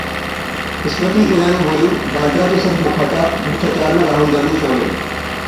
स्मृति ईरानी बोलीं- वाड्रा तो सिर्फ मुखौटा, भ्रष्टाचार में राहुल गांधी शामिल